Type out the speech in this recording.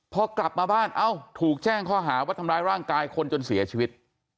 พอกลับมาบ้านเอ้าถูกแจ้งข้อหาว่าทำร้ายร่างกายคนจนเสียชีวิต